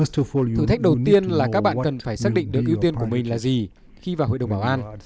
thử thách đầu tiên là các bạn cần phải xác định được ưu tiên của mình là gì khi vào hội đồng bảo an